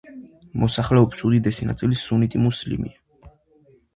მოსახლეობის უდიდესი ნაწილი სუნიტი მუსლიმია.